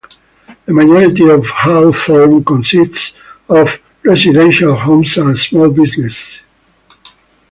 The majority of Hawthorne consists of residential homes and small businesses.